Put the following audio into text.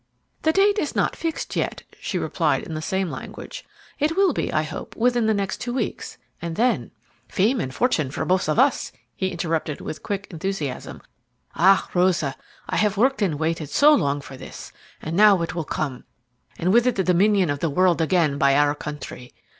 "The date is not fixed yet," she replied in the same language. "It will be, I hope, within the next two weeks. And then " "Fame and fortune for both of us," he interrupted with quick enthusiasm. "Ah, Rosa, I have worked and waited so long for this, and now it will come, and with it the dominion of the world again by our country.